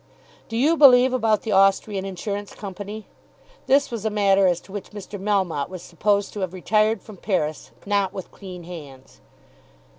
"Do you believe about the Austrian Insurance Company?" This was a matter as to which Mr. Melmotte was supposed to have retired from Paris not with clean hands.